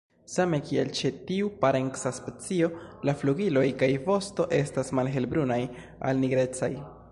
Same kiel ĉe tiu parenca specio, la flugiloj kaj vosto estas malhelbrunaj al nigrecaj.